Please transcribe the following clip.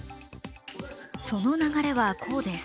その流れはこうです。